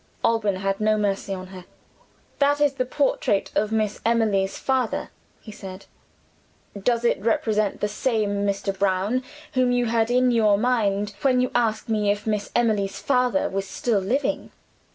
Alban had no mercy on her. "That is the portrait of Miss Emily's father," he said. "Does it represent the same Mr. Brown whom you had in your mind when you asked me if Miss Emily's father was still living?"